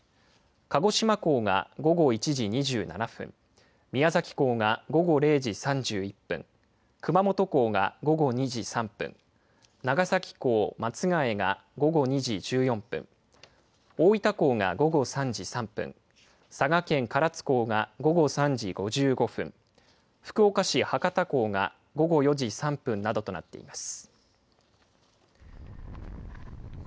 鹿児島港が午後１時２７分、宮崎港が午後０時３１分、熊本港が午後２時３分、長崎港松が枝が午後２時１４分、大分港が午後３時３分、佐賀県唐津港が午後３時５５分、福岡市博多港が午後４時３分などとなっています。